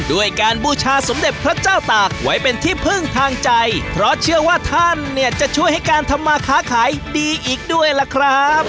ด้วยการบูชาสมเด็จพระเจ้าตากไว้เป็นที่พึ่งทางใจเพราะเชื่อว่าท่านเนี่ยจะช่วยให้การทำมาค้าขายดีอีกด้วยล่ะครับ